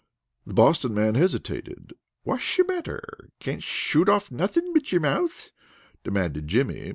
The Boston man hesitated. "Whatsh the matter? Cansh shoot off nothing but your mouth?" demanded Jimmy.